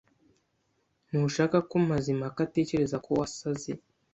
Ntushaka ko Mazimpaka atekereza ko wasaze.